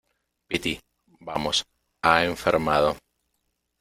piti, vamos. ha enfermado .